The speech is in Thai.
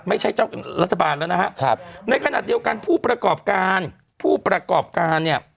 ไม่ใช่เจ้ารัฐบาลนะครับในขณะเดียวกันผู้ประกอบการเนี่ย